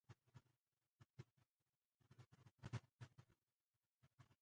اکثره باکتریاوې هیټروټروفیک باکتریاوې دي.